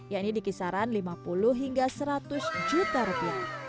yaitu dikisaran lima puluh hingga seratus juta rupiah